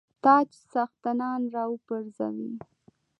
تاج څښتنان را وپرزوي.